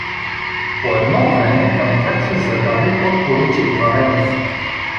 По едно време към тях се зададе подпоручик Варенов.